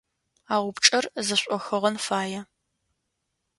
А упчIэр зэшIохыгъэн фае.